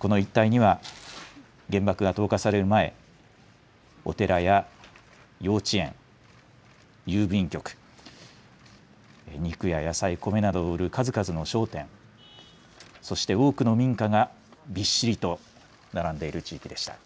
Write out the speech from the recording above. この一帯には原爆が投下される前、お寺や幼稚園、郵便局、肉や野菜、米などを売る数々の商店、そして多くの民家がびっしりと並んでいる地域でした。